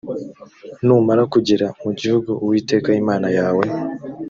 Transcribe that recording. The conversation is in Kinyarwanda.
numara kugera mu gihugu uwiteka imana yawe